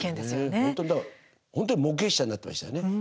本当にだから本当に目撃者になってましたよね。